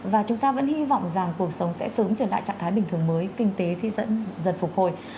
và chúng ta vẫn hy vọng rằng cuộc sống sẽ sớm trở lại trạng thái bình thường mới kinh tế thì sẽ dần phục hồi